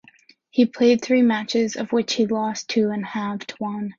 He played three matches of which he lost two and halved one.